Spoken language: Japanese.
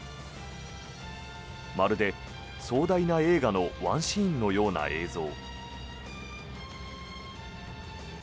まるで壮大な映画のワンシーンのような映像。